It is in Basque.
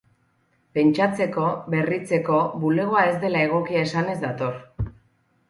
Pentsatzeko, berritzeko, bulegoa ez dela egokia esanez dator.